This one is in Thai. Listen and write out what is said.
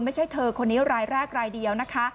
ไม่ใช่เธอคนนี้รายแรกรายเดียวนะคะ